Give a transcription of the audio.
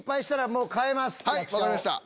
はい分かりました。